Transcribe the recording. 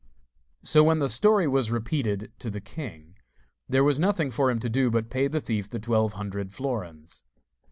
So, when the story was repeated to the king, there was nothing for him to do but to pay the thief the twelve hundred florins.